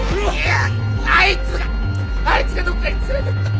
あいつがあいつがどっかに連れてった。